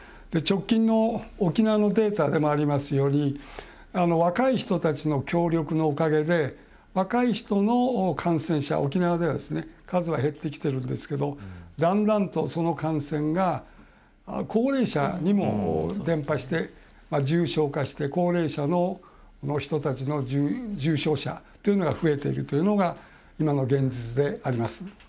直近の沖縄のデータでもありますように若い人たちの協力のおかげで若い人の感染者、沖縄では数は減ってきてるんですけどだんだんと、その感染が高齢者にも伝ぱして重症化して高齢者の人たちの重症者というのが増えているというのが今の現実であります。